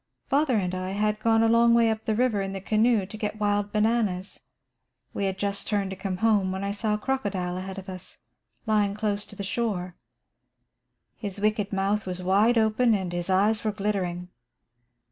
Father and I had gone a long way up the river in the canoe to get wild bananas. We had just turned to come home when I saw a crocodile ahead of us, lying close to the shore. His wicked mouth was wide open and his eyes were glittering.